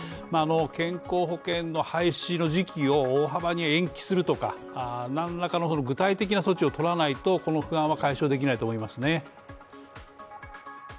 健康保険の廃止の時期を大幅に延期するとか何らかの具体的な措置をとらないとこの不安は解消できないと思いますね。